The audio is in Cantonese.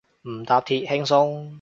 唔搭鐵，輕鬆